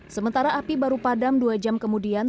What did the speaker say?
sementara api baru padam dua jam kemudian